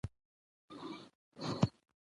د ماشومانو د لوبو سامانونو جوړول پیل شوي دي.